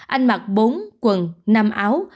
anh mặc bốn quần năm áo